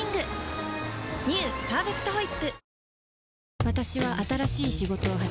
「パーフェクトホイップ」